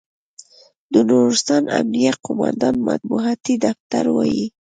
د نورستان امنیه قوماندانۍ مطبوعاتي دفتر وایي،